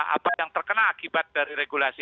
apa yang terkena akibat dari regulasi